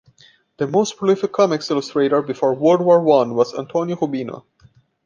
The most prolific comics illustrator before World War One was Antonio Rubino.